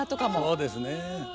そうですね。